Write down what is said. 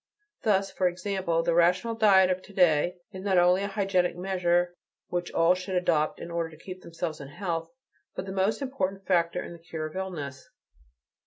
Thus, for example, the rational diet of to day is not only a hygienic measure which all should adopt in order to keep themselves in health, but the most important factor in the cure of illness.